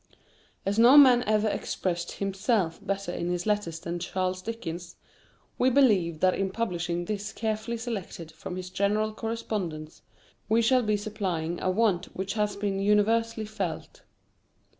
As no man ever expressed himself more in his letters than Charles Dickens, we believe that in publishing this careful selection from his general correspondence we shall be supplying a want which has been universally felt.